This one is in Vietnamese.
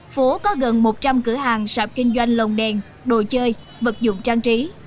phố có gần một trăm linh cửa hàng sạp kinh doanh lồng đèn đồ chơi vật dụng trang trí